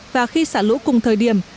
và khi xả lũ cùng thời điểm